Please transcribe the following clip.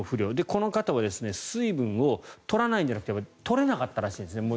この方は水分を取らないんじゃなくて取れなかったらしいですね。